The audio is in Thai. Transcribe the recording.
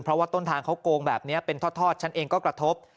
เพราะว่าต้นทางเขาโกงแบบนี้เป็นทอดฉันเองก็กระทบ